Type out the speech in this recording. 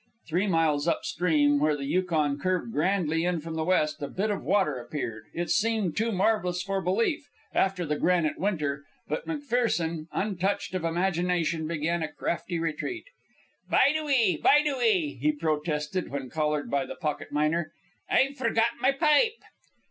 Three miles up stream, where the Yukon curved grandly in from the west, a bit of water appeared. It seemed too marvellous for belief, after the granite winter; but McPherson, untouched of imagination, began a crafty retreat. "Bide a wee, bide a wee," he protested, when collared by the pocket miner. "A've forgot my pipe."